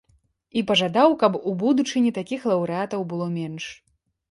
І пажадаў, каб у будучыні такіх лаўрэатаў было менш.